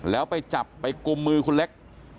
แล้วไปจับไปกุมมือคุณเล็ก